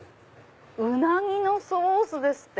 「ウナギのソース」ですって！